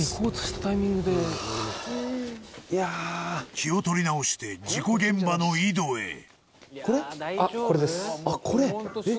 気を取り直して事故現場の井戸へあっこれえっ？